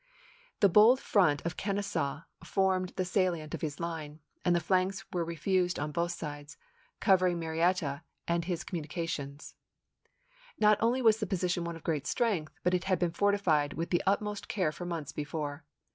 The bold front of Kenesaw formed the salient of his line, and the flanks were refused on both sides, covering Marietta and his communi cations. Not only was the position one of great strength, but it had been fortified with the utmost care for months before.